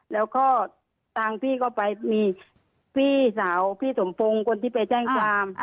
แล้วก็ทางพี่ก็ไปมีพี่สาวพี่สมพงศ์คนที่ไปแจ้งความ